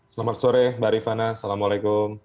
selamat sore mbak rifana assalamualaikum